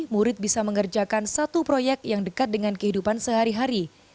murid bisa mengerjakan satu proyek yang dekat dengan kehidupan sehari hari